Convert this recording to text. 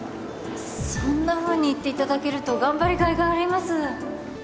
そんなふうに言っていただけると頑張りがいがあります